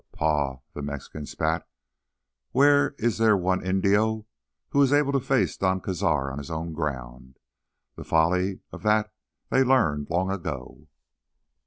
"Paugh!" The Mexican spat. "Where is there one Indio who is able to face Don Cazar on his own ground? The folly of that they learned long ago."